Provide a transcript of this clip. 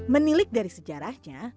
menilik dari sejarahnya